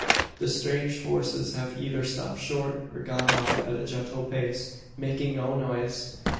The strange horses have either stopped short, or gone off at a gentle pace, making no noise!